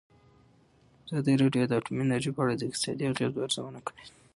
ازادي راډیو د اټومي انرژي په اړه د اقتصادي اغېزو ارزونه کړې.